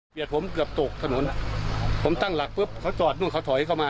ผมเกือบตกถนนผมตั้งหลักปุ๊บเขาจอดนู่นเขาถอยเข้ามา